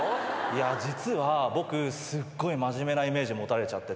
実は僕すっごい真面目なイメージ持たれちゃってて。